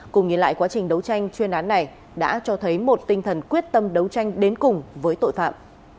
cùng nhìn lại quá trình đấu tranh chuyên án này đã cho thấy một tinh thần quyết tâm đấu tranh đến cùng với tội phạm